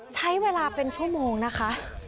ใช้เวลาเป็นชั่วโมงนะคะ